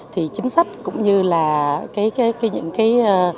thì chính sách cũng như là những cái